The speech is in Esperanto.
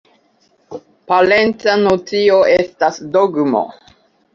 Parenca nocio estas ”dogmo”.